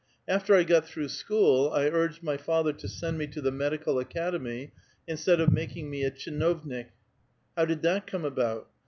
After I got throuixh school, 1 urged my father to send me to the medical academy iusti'ad of makinuj me a tcldnoimik, IIow aid that come about?